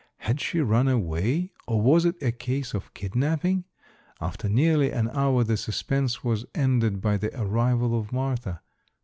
Had she run away or was it a case of kidnapping? After nearly an hour the suspense was ended by the arrival of Martha.